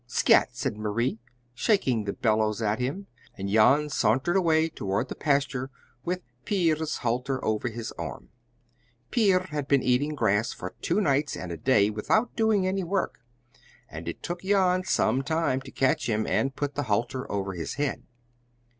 "Scat!" said Marie, shaking the bellows at him, and Jan sauntered away toward the pasture with Pier's halter over his arm. Pier had been eating grass for two nights and a day without doing any work, and it took Jan some time to catch him and put the halter over his head.